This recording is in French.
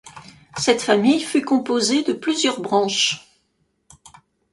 Cette famille fut composée de plusieurs branches.